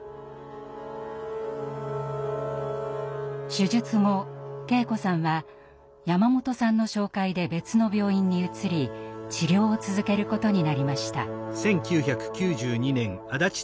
手術後圭子さんは山本さんの紹介で別の病院に移り治療を続けることになりました。